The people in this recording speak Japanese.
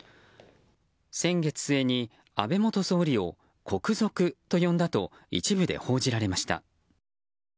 先月末に安倍元総理を国賊と呼んだと一部で報じられました。